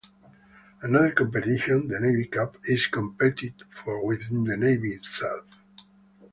Another competition, the Navy Cup, is competed for within the Navy itself.